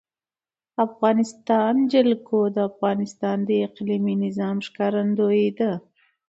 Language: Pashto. د افغانستان جلکو د افغانستان د اقلیمي نظام ښکارندوی ده.